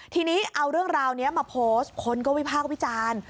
ทีนี้เอาเรื่องราวนี้มาโพสต์คนก็วิพากษ์วิจารณ์